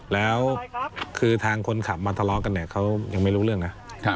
แล้วคือทางคนขับมาทะเลาะกันเนี่ยเขายังไม่รู้เรื่องนะ